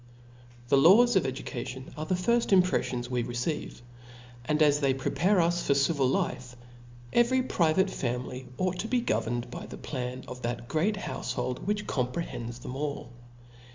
IV. A' ■"^ H E laws of education arc the firft im TH] pr lie Chap. 1. ■ preflions we receive ; and as they prepare us for civil life, every private family ought to be governed by the plan of that great hoafchold which comprehends them all.